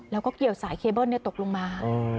แล้วก็เกี่ยวสายเคเบิ้ลตกลงมา